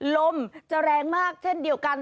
ลมจะแรงมากเช่นเดียวกัน